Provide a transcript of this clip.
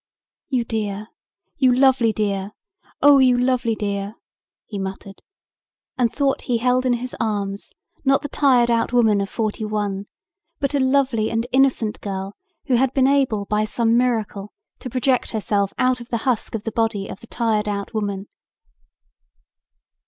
"You dear! You lovely dear! Oh you lovely dear!" he muttered and thought he held in his arms not the tired out woman of forty one but a lovely and innocent girl who had been able by some miracle to project herself out of the husk of the body of the tired out woman.